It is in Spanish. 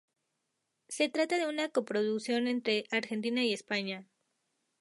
Se trata de una coproducción entre Argentina y España.